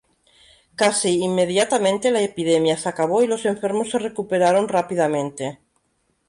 Casi inmediatamente la epidemia se acabó y los enfermos se recuperaron rápidamente.